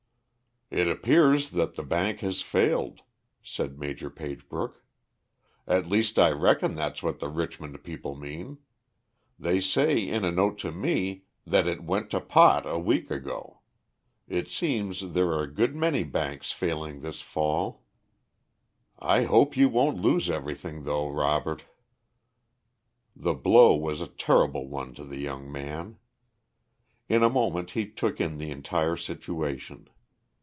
"It appears that the bank has failed," said Maj. Pagebrook. "At least I reckon that's what the Richmond people mean. They say, in a note to me, that it 'went to pot' a week ago. It seems there are a good many banks failing this fall. I hope you won't lose everything, though, Robert." The blow was a terrible one to the young man. In a moment he took in the entire situation.